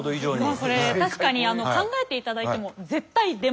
これ確かに考えていただいても絶対出ません。